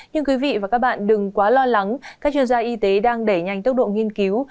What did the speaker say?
nhưng quý vị và các bạn đừng quá lo lắng các chuyên gia y tế đang đẩy nhanh tốc độ nghiên cứu